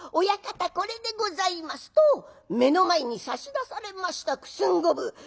「親方これでございます」と目の前に差し出されました九寸五分。